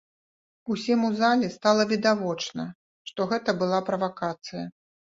Усім у залі стала відавочна, што гэта была правакацыя.